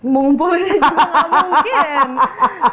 mengumpulin aja gak mungkin